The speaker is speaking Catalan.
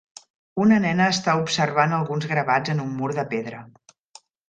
Una nena està observant alguns gravats en un mur de pedra.